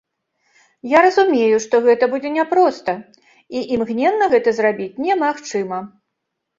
Я разумею, што гэта будзе няпроста і імгненна гэта зрабіць немагчыма.